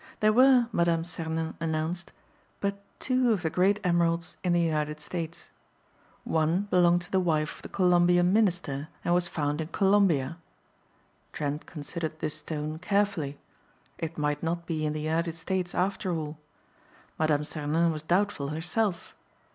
There were, Mme. Sernin announced, but two of the great emeralds in the United States. One belonged to the wife of the Colombian minister and was found in Colombia. Trent considered this stone carefully. It might not be in the United States after all. Mme. Sernin was doubtful herself.